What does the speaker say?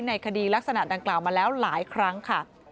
ในคดีลักษณะดังกล่าวมาแล้วหลายครั้งค่ะ